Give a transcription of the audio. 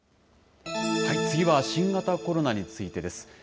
次は新型コロナについてです。